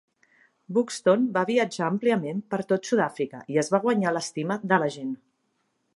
Buxton va viatjar àmpliament per tot Sud-àfrica i es va guanyar l'estima de la gent.